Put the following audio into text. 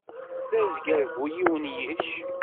D azger bu yiwen yicc.